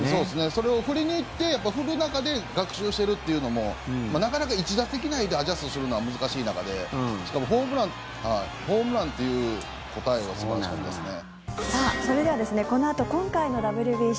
それを振りにいって振る中で学習しているというのもなかなか１打席内でアジャストするのは難しい中でしかもホームランという答えは素晴らしかったですね。